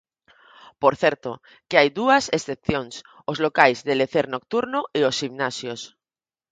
Por certo, que hai dúas excepcións, os locais de lecer nocturno e os ximnasios.